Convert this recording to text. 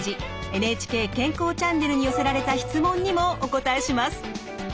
「ＮＨＫ健康チャンネル」に寄せられた質問にもお答えします。